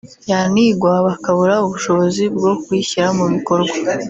yanigwa bakabura ubushobozi bwo kuyishyira mu bikorwa